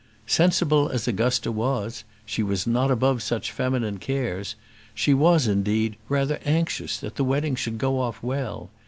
Sensible as Augusta was, she was not above such feminine cares; she was, indeed, rather anxious that the wedding should go off well.